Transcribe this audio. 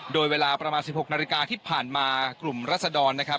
โดยเวลาประมาณ๑๖นาฬิกาที่ผ่านมากลุ่มรัศดรนะครับ